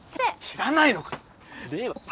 知らないのか！